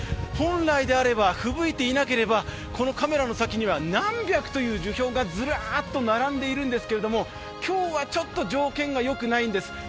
本来であれば、ふぶいていなければこのカメラの先に何百という樹氷がずらっと並んでいるんですけれども、今日はちょっと条件がよくないんです。